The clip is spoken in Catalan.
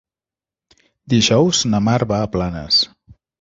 Dijous na Mar va a Planes.